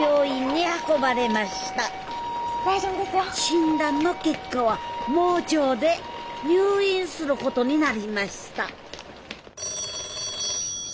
診断の結果は盲腸で入院することになりました